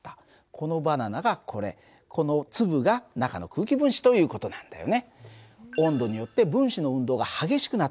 このバナナがこれこの粒が中の空気分子という事なんだよね。